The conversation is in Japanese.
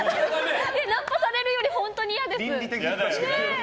ナンパされるより本当に嫌です。